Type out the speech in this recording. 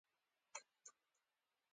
سلام جان اکا امدې ته ناست و.